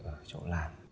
ở chỗ làm